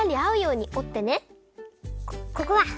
ここだ！